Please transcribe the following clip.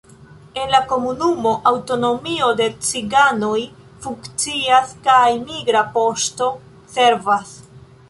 En la komunumo aŭtonomio de ciganoj funkcias kaj migra poŝto servas.